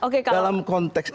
dalam konteks itu